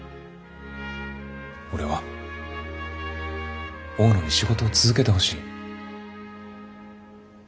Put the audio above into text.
俺は大野に仕事を続けてほしい。